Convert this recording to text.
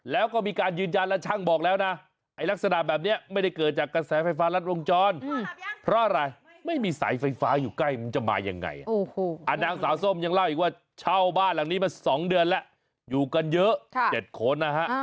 เยือนแล้วอยู่กันเยอะ๗คนนะฮะ